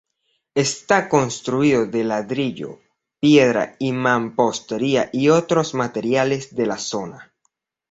Está construido de ladrillo, piedra y mampostería y otros materiales de la zona.